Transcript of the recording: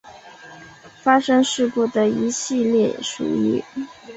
发生事故的是一列属于。